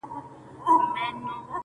خوار ژاړي هغه خاوري زړه ژوندی غواړي,